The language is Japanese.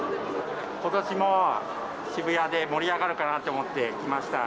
ことしも渋谷で盛り上がるかなと思って来ました。